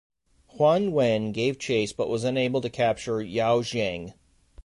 Huan Wen gave chase but was unable to capture Yao Xiang.